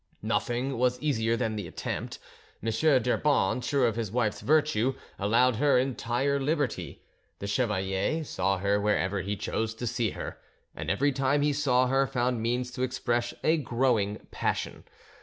Nothing was easier than the attempt. M. d'Urban, sure of his wife's virtue, allowed her entire liberty; the chevalier saw her wherever he chose to see her, and every time he saw her found means to express a growing passion.